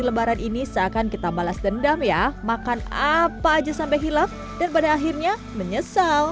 lebaran ini seakan kita balas dendam ya makan apa aja sampai hilaf dan pada akhirnya menyesal